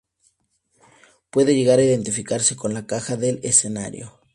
Puede llegar a identificarse con la caja del escenario.